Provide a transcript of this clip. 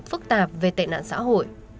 phức tạp về tệ nạn xã hội